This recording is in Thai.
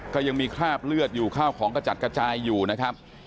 ก็ยังมีคราบเลือดอยู่ข้าวของกระจัดกระจายอยู่นะครับ